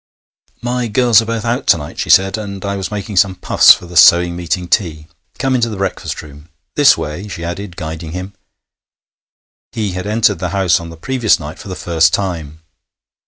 'My girls are both out to night,' she said, 'and I was making some puffs for the sewing meeting tea. Come into the breakfast room.... This way,' she added, guiding him. He had entered the house on the previous night for the first time.